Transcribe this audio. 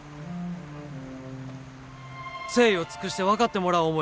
誠意を尽くして分かってもらおう思